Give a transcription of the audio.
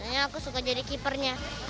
karena aku suka jadi keepernya asik